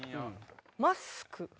マスク。